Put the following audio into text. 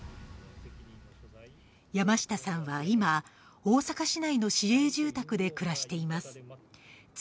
山下さんは今大阪市内の市営住宅で暮らしています月